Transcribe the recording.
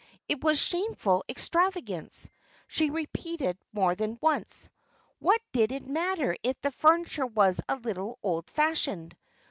It was shameful extravagance, she repeated, more than once; what did it matter if the furniture was a little old fashioned?